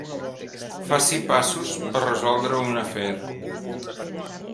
Faci passos per resoldre un afer.